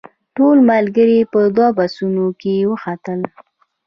ټول ملګري په دوو بسونو کې وختل.